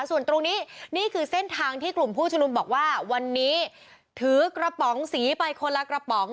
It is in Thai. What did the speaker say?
ส่วนตรงนี้นี่คือเส้นทางที่กลุ่มผู้ชุมนุมบอกว่าวันนี้ถือกระป๋องสีไปคนละกระป๋อง